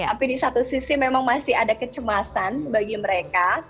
tapi di satu sisi memang masih ada kecemasan bagi mereka